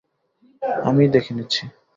আমিই দেখে নিচ্ছি।